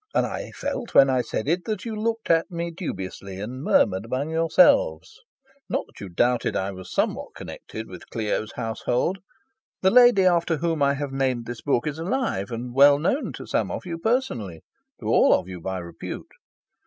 And I felt, when I said it, that you looked at me dubiously, and murmured among yourselves. Not that you doubted I was somewhat connected with Clio's household. The lady after whom I have named this book is alive, and well known to some of you personally, to all of you by repute.